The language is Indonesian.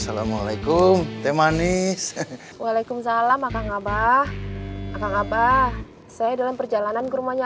assalamualaikum temanis waalaikumsalam akang abah akang abah saya dalam perjalanan ke rumahnya